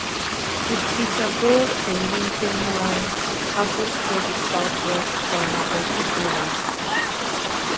The Peterborough to Lincoln Line passes through the south-west corner of the village.